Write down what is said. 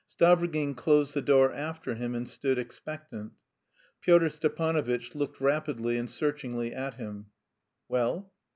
Stavrogin closed the door after him and stood expectant. Pyotr Stepanovitch looked rapidly and searchingly at him. "Well?"